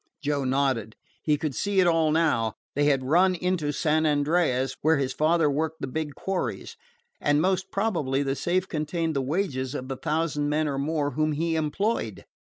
Joe nodded. He could see it all now. They had run into San Andreas, where his father worked the big quarries, and most probably the safe contained the wages of the thousand men or more whom he employed.